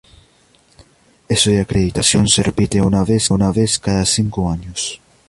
Este proceso de acreditación se repite una vez cada cinco años.